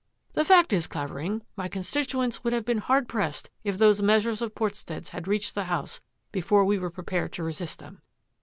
The fact is, Clavering, my constituents would have been hard pressed if those measures of Portstead's had reached the House before we were prepared to resist them.